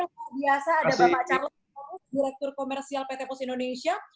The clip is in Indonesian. pak biasa ada bapak charles direktur komersial pt pos indonesia